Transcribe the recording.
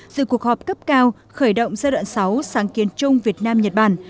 dự cuộc họp cấp cao khởi động giai đoạn sáu sáng kiến chung việt nam nhật bản